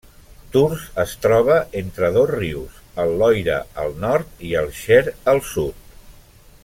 Tours es troba entre dos rius, el Loira al nord i el Cher al sud.